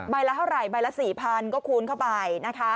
ละเท่าไหร่ใบละ๔๐๐ก็คูณเข้าไปนะคะ